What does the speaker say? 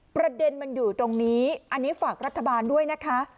ประเด็นมันอยู่ตรงนี้อันนี้ฝากรัฐบาลด้วยนะคะ